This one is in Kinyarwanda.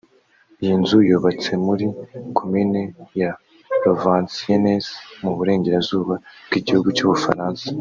Iyi nzu yubatse muri komine ya Louveciennes mu burengerazuba bw’igihugu cy’Ubufaransa